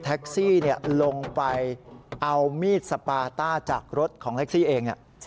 แท็กซี่ลงไปเอามีดสปาต้าจากรถของแท็กซี่เอง